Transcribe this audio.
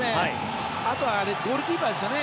あとはゴールキーパーですよね。